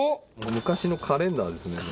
昔のカレンダーですね。